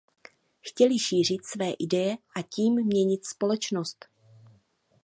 Chtěli šířit své ideje a tím měnit společnost.